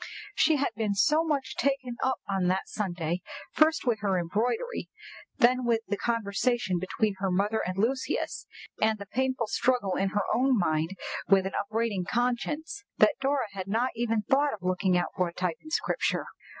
She had been so much taken up on that Sunday, first with her embroidery, then with the conversation between her mother and Lucius, and the painful struggle in her own mind with an upbraiding conscience, that Dora had not even thought of looking out for a type in Scripture.